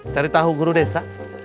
cari tahu guru desa